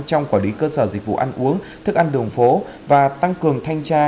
trong quản lý cơ sở dịch vụ ăn uống thức ăn đường phố và tăng cường thanh tra